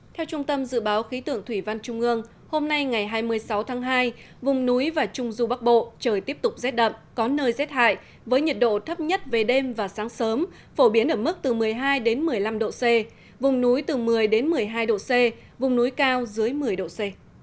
theo trung tâm dự báo khí tượng thủy văn trung ương hôm nay ngày hai mươi sáu tháng hai vùng núi và trung du bắc bộ trời tiếp tục rét đậm có nơi rét hại với nhiệt độ thấp nhất về đêm và sáng sớm phổ biến ở mức từ một mươi hai một mươi năm độ c vùng núi từ một mươi một mươi hai độ c vùng núi cao dưới một mươi độ c